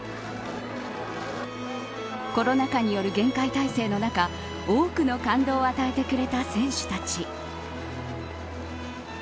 コロナ禍による厳戒態勢の中多くの感動を与えてくれた選手たち。